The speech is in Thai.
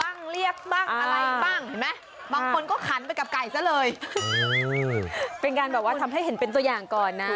บ้างเรียบบ้าง